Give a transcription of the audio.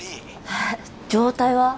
えっ状態は？